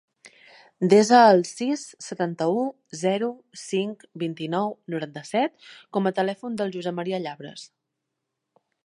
Desa el sis, setanta-u, zero, cinc, vint-i-nou, noranta-set com a telèfon del José maria Llabres.